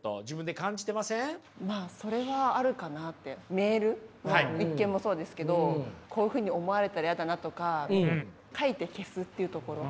メールの一件もそうですけどこういうふうに思われたら嫌だなとか書いて消すっていうところ。